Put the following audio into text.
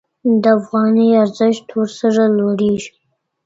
د افغانۍ ارزښت ورسره لوړېږي.